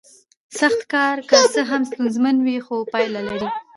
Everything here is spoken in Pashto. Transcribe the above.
سخت کار که څه هم ستونزمن وي خو پایله لري